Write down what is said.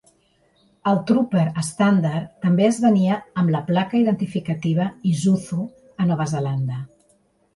El Trooper estàndard també es venia amb la placa identificativa Isuzu a Nova Zelanda.